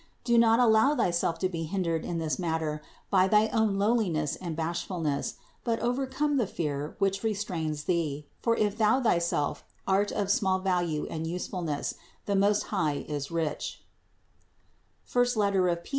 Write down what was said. Do not allow thyself to be hindered in this matter by thy own lowliness and bashfulness; but overcome the fear which restrains thee, for if thou thyself art of small value and usefulness, the Most High is rich (I Pet.